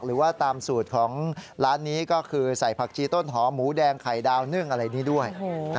หรือว่าตามสูตรของร้านนี้ก็คือใส่ผักชีต้นหอมแดงไข่ดาวนึ่งอะไรนี้ด้วย